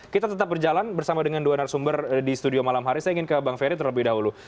kita tetap berjalan bersama dengan dua narasumber di studio malam hari saya ingin ke bang ferry terlebih dahulu